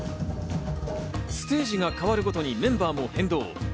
ステージが変わるごとにメンバーも変動。